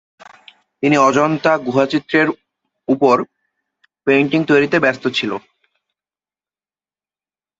তিনি অজন্তা গুহাচিত্রের ওপর পেইন্টিং তৈরিতে ব্যস্ত ছিল।